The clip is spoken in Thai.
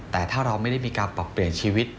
แต่ถ้าเราไม่ได้มีการปรับเปลี่ยนชีวิต